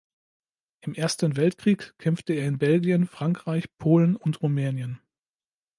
Im Ersten Weltkrieg kämpfte er in Belgien, Frankreich, Polen und Rumänien.